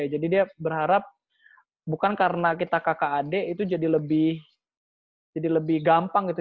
jadi dia berharap bukan karena kita kakak adik itu jadi lebih gampang gitu